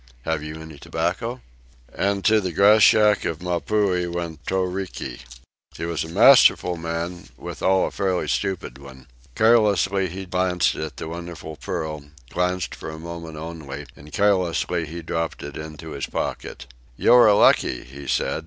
Have you any tobacco?" And to the grass shack of Mapuhi went Toriki. He was a masterful man, withal a fairly stupid one. Carelessly he glanced at the wonderful pearl glanced for a moment only; and carelessly he dropped it into his pocket. "You are lucky," he said.